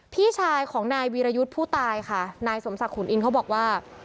พี่ชายของนายวีรยุทธ์ผู้ตายค่ะนายสมศักดิขุนอินเขาบอกว่า